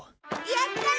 やったー！